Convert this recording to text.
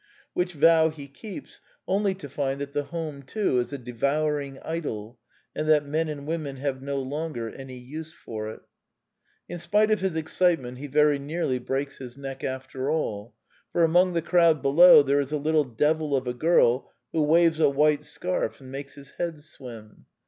Which vow he keeps, only to find that the home, too, is a devouring idol, and that men and women have no longer any use for it. In spite of his excitement, he very nearly breaks his neck, after all; for among the crowd below there is a litde devil of a girl who waves a white scarf and makes his head swim.